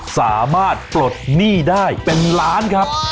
สามารถปลดหนี้ได้เป็นล้านครับ